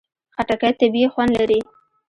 خټکی طبیعي خوند لري.